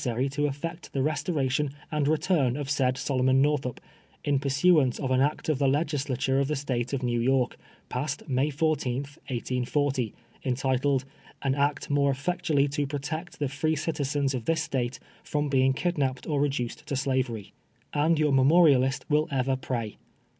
s;uy to efTect the restoration and retimi of said Solomon Northup, in pursuance of an act of the Legis lature of the State of New York, passed jVfay 14tli, 1840, entitled "An act more etVectually to protect the free citizens of this State fi om being kidiiappd or reduced to slavi'ry." And your memorialist will ever prav.